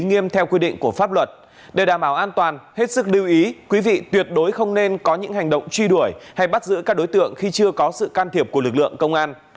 hết sức lưu ý quý vị tuyệt đối không nên có những hành động truy đuổi hay bắt giữ các đối tượng khi chưa có sự can thiệp của lực lượng công an